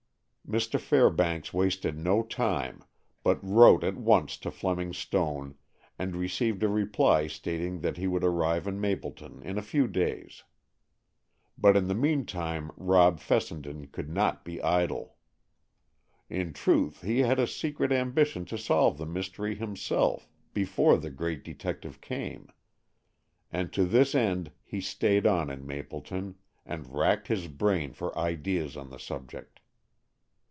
Mr. Fairbanks wasted no time, but wrote at once to Fleming Stone, and received a reply stating that he would arrive in Mapleton in a few days. But in the meantime Rob Fessenden could not be idle. In truth, he had a secret ambition to solve the mystery himself, before the great detective came, and to this end he stayed on in Mapleton, and racked his brain for ideas on the subject.